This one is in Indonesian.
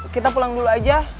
kita pulang dulu aja